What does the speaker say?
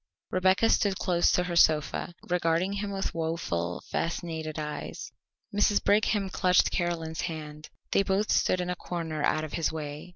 Rebecca stood close to her sofa, regarding him with woeful, fascinated eyes. Mrs. Brigham clutched Caroline's hand. They both stood in a corner out of his way.